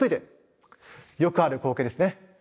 よくある光景ですね。